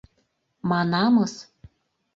Манамыс...